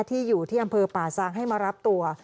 ที่อยู่ที่อำเภอป่าซางให้มารับตัว